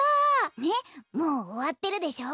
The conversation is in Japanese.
ねっもうおわってるでしょ？